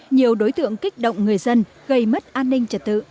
nhiều đối tượng kích động người dân gây mất an ninh trật tự